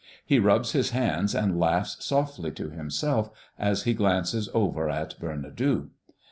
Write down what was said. He rubs his hands and laughs softly to himself as he glances over at Bernadou.